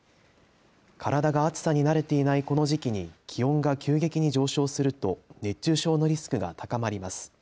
体が暑さに慣れていないこの時期に気温が急激に上昇すると熱中症のリスクが高まります。